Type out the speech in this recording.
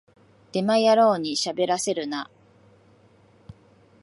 デマ野郎にしゃべらせるな